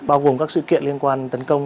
bao gồm các sự kiện liên quan tấn công